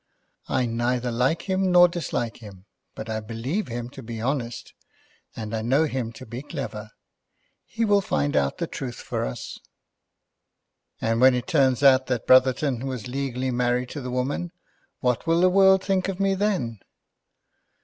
"I neither like him nor dislike him; but I believe him to be honest, and I know him to be clever. He will find out the truth for us." "And when it turns out that Brotherton was legally married to the woman, what will the world think of me then?"